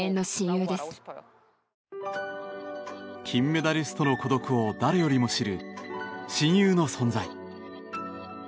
金メダリストの孤独を誰よりも知る親友の存在。